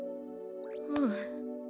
うん。